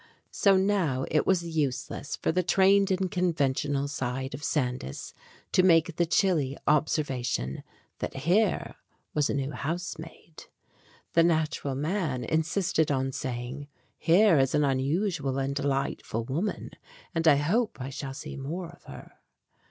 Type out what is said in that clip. So now it was useless for the trained and conventional side of Sandys to make the chilly observation that here was a new housemaid. The nat ural man insisted on saying, "Here is an unusual and delightful woman and I hope I shall see more of her."